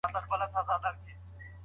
املا د زده کوونکو پر ځان باور لوړوي.